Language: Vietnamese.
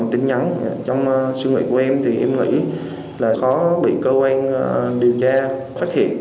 tin nhắn trong suy nghĩ của em thì em nghĩ là khó bị cơ quan điều tra phát hiện